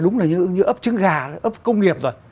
đúng như ấp trứng gà ấp công nghiệp rồi